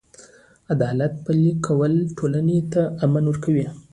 د عدالت پلي کول ټولنې ته امن ورکوي.